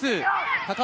高橋